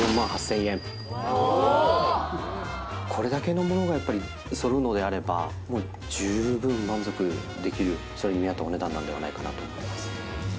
これだけのものがやっぱり揃うのであればもう十分満足できるそれに見合ったお値段なんではないかなと思います